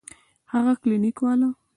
هغه کلينيک والا.